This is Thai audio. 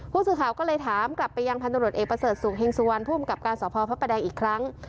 ผู้สือข่าวก็เลยถามกลับไปยังพันธุรสเอกประเสริฐศูกษ์เฮงสุวรรณผู้อำกับการสอพพแดงอีกครั้ง